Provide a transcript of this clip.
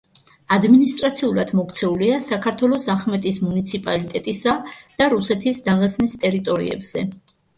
ადმინისტრაციულად მოქცეულია საქართველოს ახმეტის მუნიციპალიტეტისა და რუსეთის დაღესტნის ტერიტორიებზე.